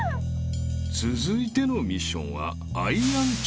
［続いてのミッションはアイアンチョイス］